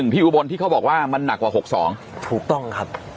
๒๕๒๑๒๕๒๑๒๕๒๑พี่อุบลที่เขาบอกว่ามันหนักกว่า๖๒ถูกต้องครับ